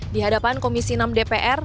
di hadapan komisi enam dpr